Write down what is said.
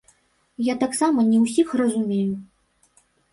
Я таксама не ўсіх разумею.